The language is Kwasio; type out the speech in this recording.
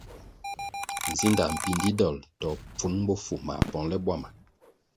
Nzinda mpindi dol to pfun bofu mā pongʼle bwama.